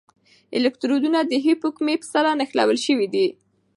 الکترودونه د هیپوکمپس سره نښلول شوي دي.